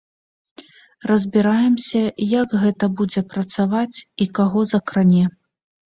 Разбіраемся, як гэта будзе працаваць і каго закране.